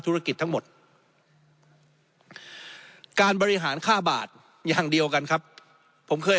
ธุรกิจทั้งหมดการบริหารค่าบาทอย่างเดียวกันครับผมเคย